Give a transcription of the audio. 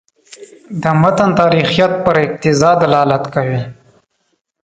د متن تاریخیت پر اقتضا دلالت کوي.